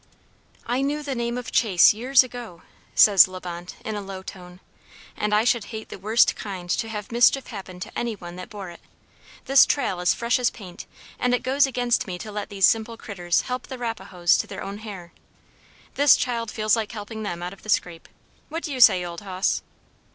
"I knew the name of Chase years ago," says La Bonte in a low tone, "and I should hate the worst kind to have mischief happen to any one that bore it. This trail is fresh as paint, and it goes against me to let these simple critters help the Rapahoes to their own hair. This child feels like helping them out of the scrape. What do you say, old hos?"